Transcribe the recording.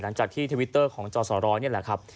หลังจากที่ทวิตเตอร์ของจอสรนี่แหละครับ